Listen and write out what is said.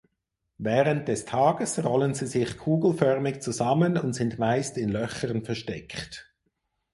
Während des Tages rollen sie sich kugelförmig zusammen und sind meist in Löchern versteckt.